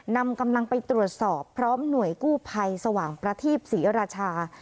นำกำลังไปตรวจสอบพร้อมหน่วยกู้ภัยสว่างประทีปศรีราชา